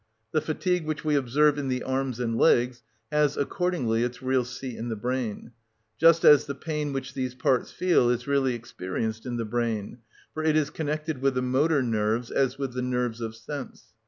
The fatigue which we observe in the arms and legs has accordingly its real seat in the brain; just as the pain which these parts feel is really experienced in the brain; for it is connected with the motor nerves, as with the nerves of sense.